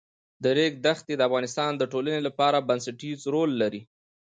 د ریګ دښتې د افغانستان د ټولنې لپاره بنسټيز رول لري.